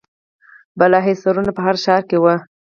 بالاحصارونه په هر ښار کې وو